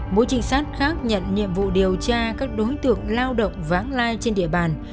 mối trinh sát khác nhận nhiệm vụ điều tra các đối tượng lao động vãng lai trên địa bàn